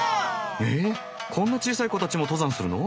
えっこんな小さい子たちも登山するの？